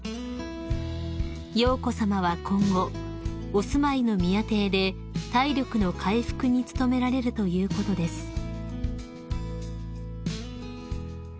［瑶子さまは今後お住まいの宮邸で体力の回復に努められるということです］